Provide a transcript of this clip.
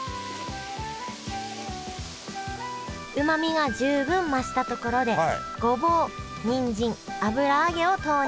うまみが十分増したところでごぼうにんじん油揚げを投入